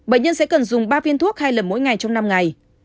bệnh nhân sẽ cần dùng ba viên thuốc hai lần mỗi ngày trong năm ngày